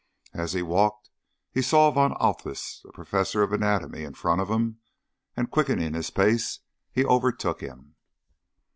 As he walked he saw Von Althaus, the professor of anatomy, in front of him, and quickening his pace he overtook him.